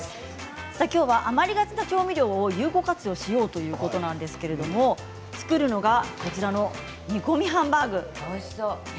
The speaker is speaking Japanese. きょうは余りがちな調味料を有効活用しようということなんですけれど作るのが、こちらの煮込みハンバーグ。